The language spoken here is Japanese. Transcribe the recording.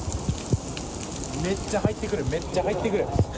めっちゃ入ってくる、めっちゃ入ってくる。